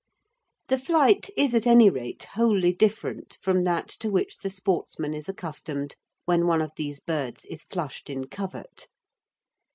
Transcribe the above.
The flight is at any rate wholly different from that to which the sportsman is accustomed when one of these birds is flushed in covert.